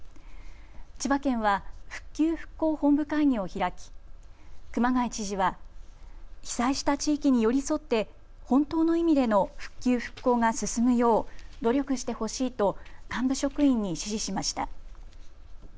千葉県は復旧・復興本部会議を開き、熊谷知事は被災した地域に寄り添って本当の意味での復旧・復興が進むよう努力してほしいと幹部職員に指示しました。